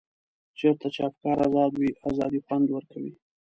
چېرته چې افکار ازاد وي ازادي خوند ورکوي.